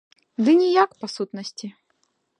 Ды ніяк, па сутнасці.